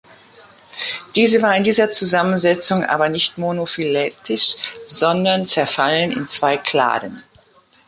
Diese war in dieser Zusammensetzung aber nicht monophyletisch, sondern zerfallen in zwei Kladen.